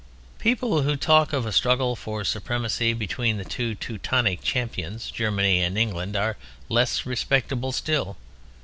People who talk of "A struggle for supremacy between the two Teutonic champions Germany and England" are less respectable still.